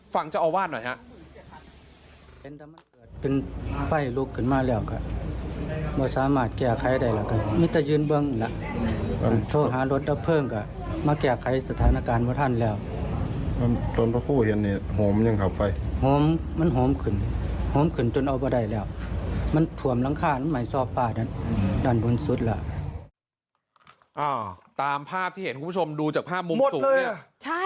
ภาพาที่เห็นคุณผู้ชมดูจากภาพมุมสูงเนี่ย